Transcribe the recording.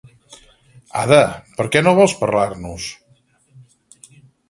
Ada, per què no vols parlar-nos!